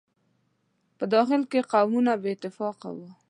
په داخل کې یې قومونه بې اتفاقه وو.